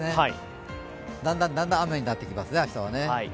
だんだん雨になってきますね、明日はね。